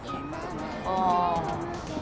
ああ。